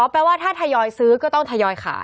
แปลว่าถ้าทยอยซื้อก็ต้องทยอยขาย